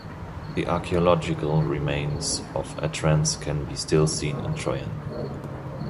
The archaeological remains of Atrans can be still seen in Trojane.